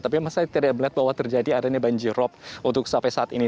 tapi memang saya tidak melihat bahwa terjadi adanya banjirop untuk sampai saat ini